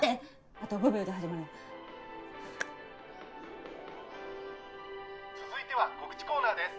あと５秒で始まるテレビ「続いては告知コーナーです」